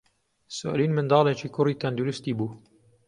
سۆلین منداڵێکی کوڕی تەندروستی بوو.